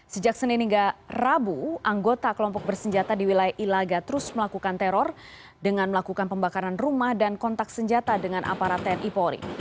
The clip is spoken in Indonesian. sejak senin hingga rabu anggota kelompok bersenjata di wilayah ilaga terus melakukan teror dengan melakukan pembakaran rumah dan kontak senjata dengan aparat tni polri